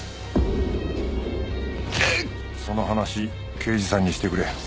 その話刑事さんにしてくれ。